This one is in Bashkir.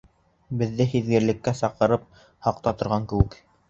Беҙҙе һиҙгерлеккә саҡырып һаҡта торған кеүек.